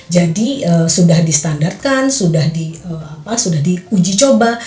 jadi sudah di standarkan sudah di uji coba